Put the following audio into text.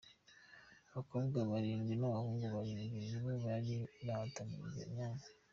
Abakobwa barindwi n’abahungu barindwi nibo bari guhatanira iyo myanya.